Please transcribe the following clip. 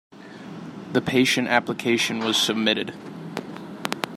The patent application was submitted.